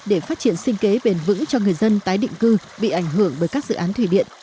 để phát triển sinh kế bền vững cho người dân tái định cư bị ảnh hưởng bởi các dự án thủy điện